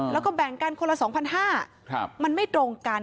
แล้วก็แบ่งกันคนละ๒๕๐๐บาทมันไม่ตรงกัน